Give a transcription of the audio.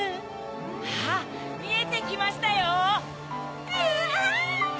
あっみえてきましたよ！